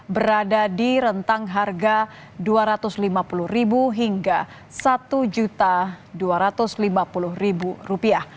berada di rentang harga dua ratus lima puluh hingga satu dua ratus lima puluh rupiah